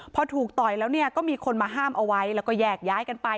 พอถูกต่อยแล้วเนี่ยก็มีคนมาห้ามเอาไว้แล้วก็แยกย้ายกันไป